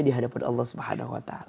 di hadapan allah swt